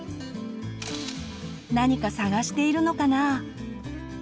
何か探しているのかな？